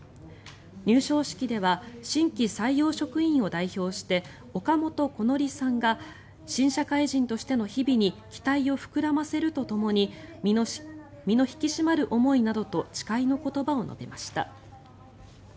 入省式では新規採用職員を代表して岡本小乃梨さんが新社会人としての日々に期待を膨らませるとともに身の引き締まる思いなどと誓いの言葉を述べました。